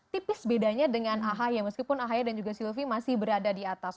tipis bedanya dengan ahy meskipun ahaya dan juga silvi masih berada di atas